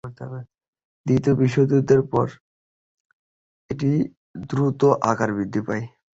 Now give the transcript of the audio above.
দ্বিতীয় বিশ্বযুদ্ধের পর এটি দ্রুত আকারে বৃদ্ধি পায়।